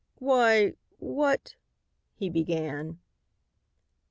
"Why, what " he began.